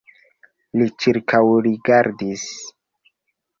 Li ĉirkaŭrigardis.